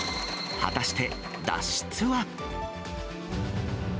果たして脱出は？